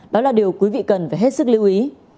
đó là điều quý vị cần phải hết sức lưu ý